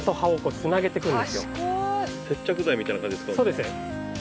そうです